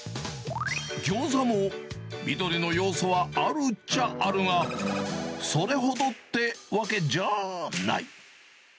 ぎょうざも、緑の要素はあるっちゃあるが、それほどってわけじゃあない。